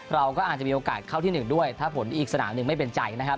เราก็อาจจะมีโอกาสเข้าที่๑ด้วยถ้าผลอีกสนามหนึ่งไม่เป็นใจนะครับ